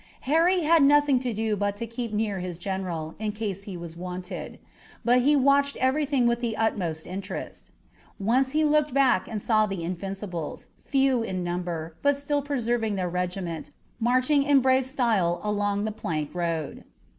Harry had nothing to do but to keep near his general, in case he was wanted. But he watched everything with the utmost interest. Once he looked back and saw the Invincibles, few in number, but still preserving their regiment, marching in brave style along the plank road.